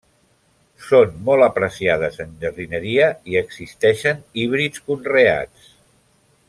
Són molt apreciades en jardineria i existeixen híbrids conreats.